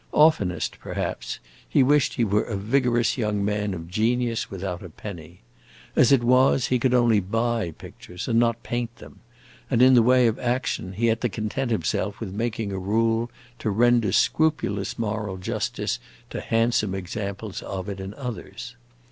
Oftenest, perhaps, he wished he were a vigorous young man of genius, without a penny. As it was, he could only buy pictures, and not paint them; and in the way of action, he had to content himself with making a rule to render scrupulous moral justice to handsome examples of it in others.